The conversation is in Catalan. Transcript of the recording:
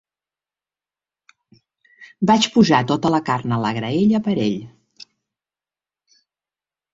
Vaig posar tota la carn a la graella per ell.